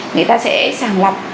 người ta sẽ sàng lọc